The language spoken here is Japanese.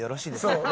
そう。